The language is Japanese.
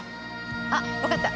あっわかった！